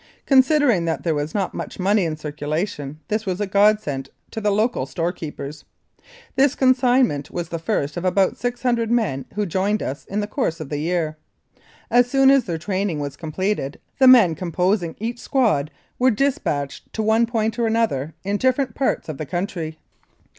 Con sidering that there was not much money in circulation, this was a godsend to the local storekeepers. This con signment was the first of about 600 men who joined us in the course of the year. As soon as their training was completed, the men composing each squad were dis patched to one point or another in different parts of the country.